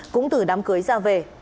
cũng từ đám cưới ra về